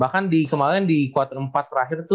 bahkan di kemarin di kuartal empat terakhir tuh lah ya itu tuh